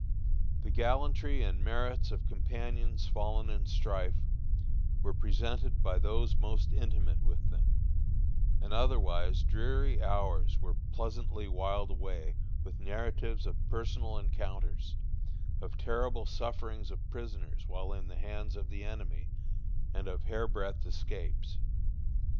The gallantry and merits of companions fallen in strife were presented by those most intimate with them; and otherwise dreary hours were pleasantly whiled away with narratives of personal encounters, of terrible sufferings of prisoners while in the hands of the enemy, and of hair breadth escapes.